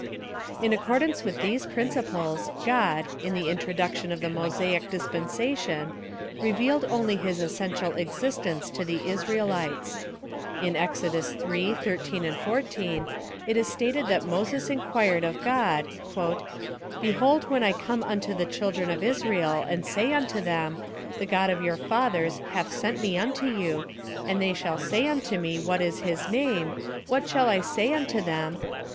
In accordance with these principles, God, in the introduction of the Mosaic dispensation, revealed only his essential existence to the Israelites. In Exodus 3: 13, 14, it is stated that Moses enquired 74 PHILOSOPHY GF THE of God, ' Beliold when I come unto the children of Israel and say unto them — The God of your fathers liath sent me unto you, and they shall say unto me, What is his name? What shall I say unto them?